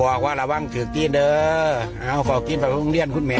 บอกว่าระวังคือกี้เด้อเอาขอกินไปโรงเรียนคุณแม่